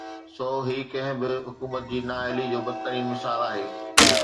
سو هي ڪنهن به حڪومت جي نااهلي جو بدترين مثال آهي.